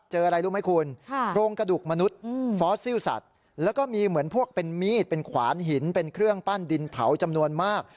อะไรรู้ไหมคุณโครงกระดูกมนุษย์ฟอสซิลสัตว์แล้วก็มีเหมือนพวกเป็นมีดเป็นขวานหินเป็นเครื่องปั้นดินเผาจำนวนมาก